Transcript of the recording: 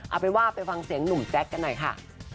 เอาเป็นว่าไปฟังเสียงหนุ่มแจ๊คกันหน่อยค่ะ